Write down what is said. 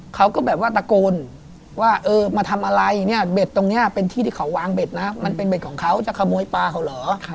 เขาก็แบบว่าตะโกนว่าเออมาทำอะไรเนี่ยเบ็ดตรงนี้เป็นที่ที่เขาวางเบ็ดนะมันเป็นเด็ดของเขาจะขโมยปลาเขาเหรอ